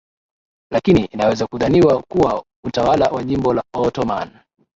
lakini inaweza kudhaniwa kuwa utawala wa jimbo la Ottoman